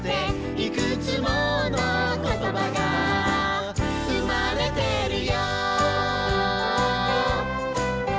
「いくつものことばがうまれてるよ」